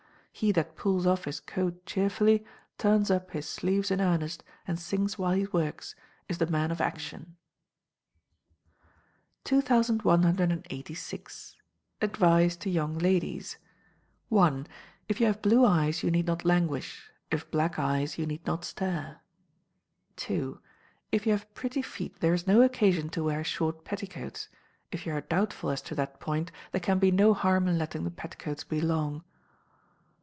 He that pulls off his coat cheerfully, turns up his sleeves in earnest, and sings while he works, is the man of action. 2186. Advice to Young Ladies. i. If you have blue eyes you need not languish: if black eyes, you need not stare. ii. If you have pretty feet there is no occasion to wear short petticoats: if you are doubtful as to that point, there can be no harm in letting the petticoats be long.